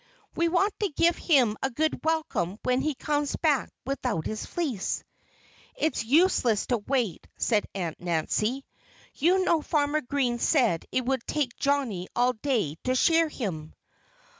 "We want to give him a good welcome when he comes back without his fleece." "It's useless to wait," said Aunt Nancy. "You know Farmer Green said it would take Johnnie all day to shear him."